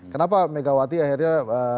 kenapa megawati akhirnya